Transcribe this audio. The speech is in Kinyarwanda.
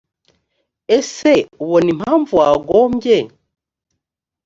ese ubona impamvu wagombye